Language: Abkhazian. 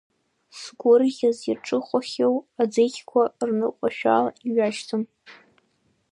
Сгәырӷьаӡ иаҿыхәахьоу аӡыхьқәа, рныҟәашәала иҩашьаӡом.